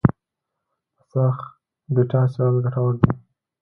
د خرڅ ډیټا څېړل ګټور دي.